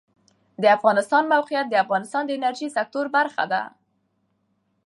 د افغانستان د موقعیت د افغانستان د انرژۍ سکتور برخه ده.